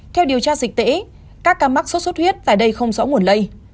theo điều tra dịch tễ các ca mắc sốt xuất huyết tại đây không rõ nguồn lây